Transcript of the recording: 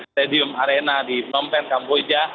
di stadion arena di phnom penh kamboja